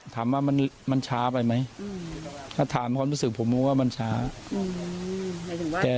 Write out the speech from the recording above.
ถามว่ามันช้าไปไหมถ้าถามความรู้สึกผมมึงว่ามันช้า